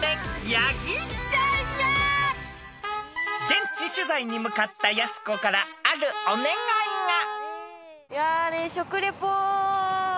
［現地取材に向かったやす子からあるお願いが］